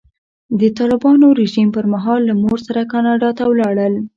د طالبانو رژیم پر مهال له مور سره کاناډا ته ولاړل.